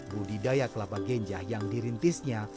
budidaya kelapa ganja yang dirintisnya